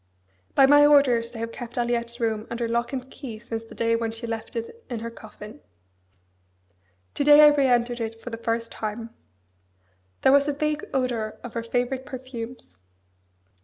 By my orders they have kept Aliette's room under lock and key since the day when she left it in her coffin. To day I re entered it for the first time. There was a vague odour of her favourite perfumes.